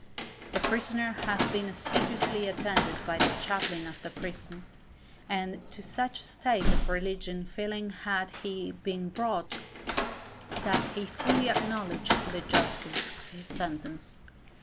The prisoner has been assiduously attended by the chaplain of the prison, and to such a state of religious feeling had he been brought, that he fully acknowledged the justice of his sentence.